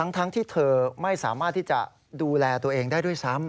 ทั้งที่เธอไม่สามารถที่จะดูแลตัวเองได้ด้วยซ้ำ